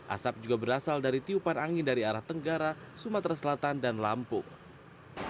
asap juga berasal dari tiupan angin dari arah tenggara sumatera selatan dan lampung